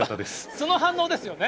その反応ですよね。